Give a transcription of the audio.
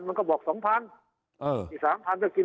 อุทยานก็เกิดขึ้นอย่างเนี้ย